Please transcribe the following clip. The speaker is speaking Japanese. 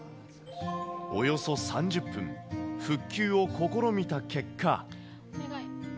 およそ３０分、復旧を試みた結果。